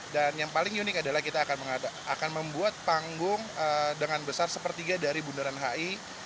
dan yang paling unik adalah kita akan membuat panggung dengan besar sepertiga dari bundaran hi